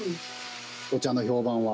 お茶の評判は？